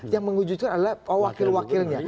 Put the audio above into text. yang mewujudkan adalah wakil wakilnya